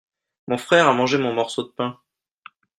mon frère a mangé mon morceau de pain.